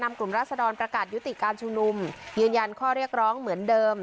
กลุ่มราศดรประกาศยุติการชุมนุมยืนยันข้อเรียกร้องเหมือนเดิม